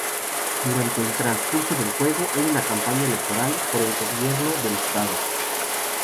Durante el transcurso del juego hay una campaña electoral por el gobierno del estado.